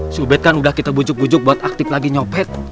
subed kan udah kita bujuk bujuk buat aktif lagi nyopet